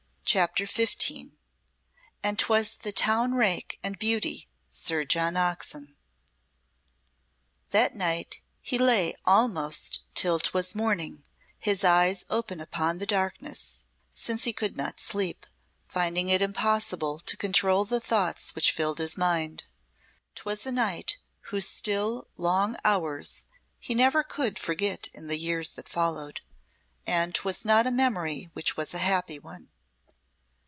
CHAPTER XV "And 'twas the town rake and beauty Sir John Oxon" That night he lay almost till 'twas morning, his eyes open upon the darkness, since he could not sleep, finding it impossible to control the thoughts which filled his mind. 'Twas a night whose still long hours he never could forget in the years that followed, and 'twas not a memory which was a happy one.